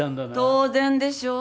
当然でしょう。